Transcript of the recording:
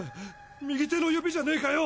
右手の指じゃねェかよ！